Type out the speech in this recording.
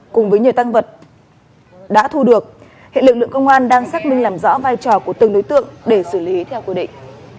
cùng với nhiều tăng vật đã thu được hệ lực lượng công an đang xác minh làm rõ vai trò của từng đối tượng để xử lý theo quy định